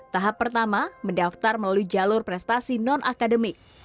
tahap pertama mendaftar melalui jalur prestasi non akademik